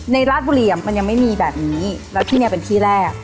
ราชบุรีมันยังไม่มีแบบนี้แล้วที่นี่เป็นที่แรก